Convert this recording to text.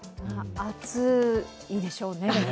暑いでしょうね。